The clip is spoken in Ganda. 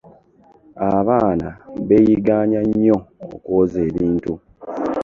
Abaana beeyigaanya nnyo okwoza ebintu.